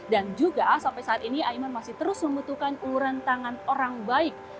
dan juga sampai saat ini imar masih terus membutuhkan uluran tangan orang baik